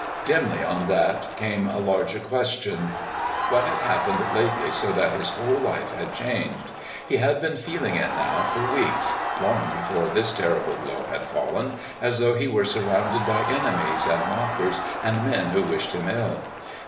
Dimly on that came a larger question. What had happened lately so that his whole life had changed? He had been feeling it now for weeks, long before this terrible blow had fallen, as though he were surrounded by enemies and mockers and men who wished him ill.